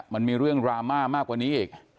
มันมีเรื่องดราม่ามากกว่านี้อีก